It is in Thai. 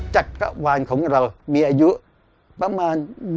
จักรวาลของเรามีอายุประมาณ๑๓๗๐๐ปี